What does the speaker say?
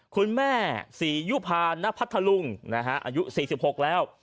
คุณแม่ศรียุภาณพัทธลุงอายุ๔๖แล้ว